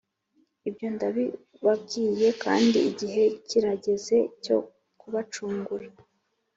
ibyo ndabibabwiye kandi igihe kirageze cyo kubacungura,